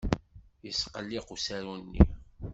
Yesqelliq usaru-nni.